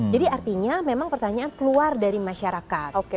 jadi artinya memang pertanyaan keluar dari masyarakat